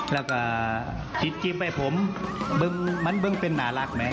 แล้วก็คิดจิ้มให้ผมมันบึงเป็นน่ารักไหม